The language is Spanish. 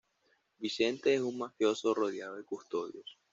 Vicente es un mafioso rodeado de custodios.